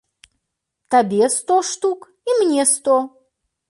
Табе сто штук і мне сто.